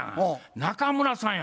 中村さんや。